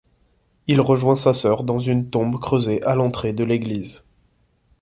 Il rejoint sa sœur dans une tombe creusée à l’entrée de l’église.